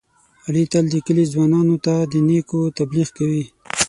علي تل د کلي ځوانانو ته د نېکو تبلیغ کوي.